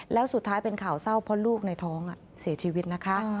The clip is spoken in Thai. แล้วสุดท้ายเป็นข่าวเศร้าเพราะลูกในท้องเสียชีวิตนะคะ